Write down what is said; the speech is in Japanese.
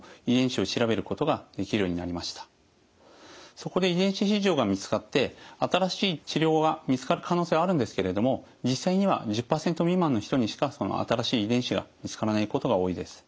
そこで遺伝子異常が見つかって新しい治療が見つかる可能性はあるんですけれども実際には１０％未満の人にしか新しい遺伝子が見つからないことが多いです。